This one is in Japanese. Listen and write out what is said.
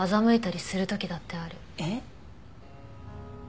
えっ？